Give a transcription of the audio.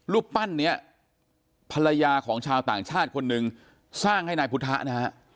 รูปปั้นนี้ภรรยาของชาวต่างชาติคนหนึ่งสร้างให้นายพุทธะนะฮะ